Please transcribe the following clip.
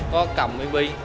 có cầm bb